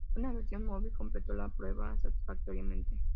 Una versión móvil completó la prueba satisfactoriamente.